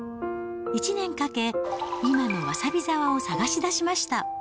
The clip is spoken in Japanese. １年かけ、今のわさび沢を探し出しました。